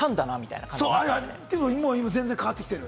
でも今変わってきてる。